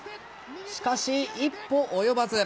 しかし、一歩及ばず。